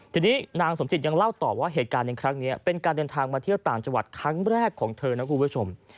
ทีนี้นางสมจิตยังเล่าต่อว่าเหตุการณ์ในครั้งนี้เป็นการเดินทางมาเที่ยวต่างจังหวัดครั้งแรกของเธอนะคุณผู้ชม